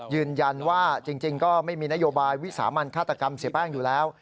ยืนยันว่าจริงก็ไม่มีนโยบายวิสามันฆาตกรรมเสียแป้งอยู่แล้ว